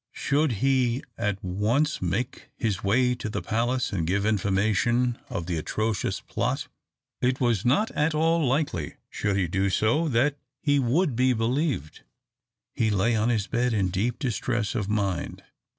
Should he at once make his way to the palace and give information of the atrocious plot? It was not at all likely, should he do so, that he would be believed. He lay on his bed in deep distress of mind.